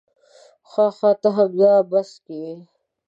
ښه ښه ته همدې بس کې وې.